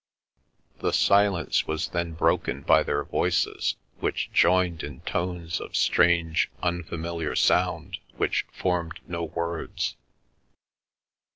The silence was then broken by their voices which joined in tones of strange unfamiliar sound which formed no words.